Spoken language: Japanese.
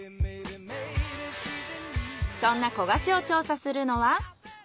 そんな古河市を調査するのは。